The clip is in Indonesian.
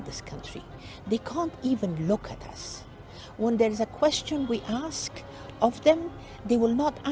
ketika ada pertanyaan yang kita tanya mereka tidak akan menjawab kita